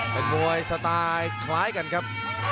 เป็นมวยสไตล์คล้ายกันครับ